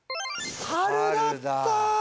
「春」だった！